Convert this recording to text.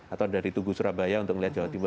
atau dari tugu surabaya untuk melihat jawa timur